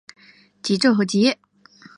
极昼和极夜。